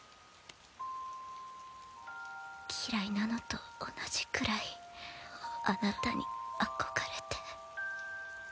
嫌いなのと同じくらいあなたに憧れて。